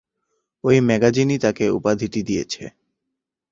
ঐ ম্যাগাজিন ই তাকে উপাধিটি দিয়েছে।